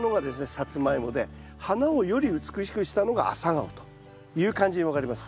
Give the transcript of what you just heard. サツマイモで花をより美しくしたのがアサガオという感じに分かれます。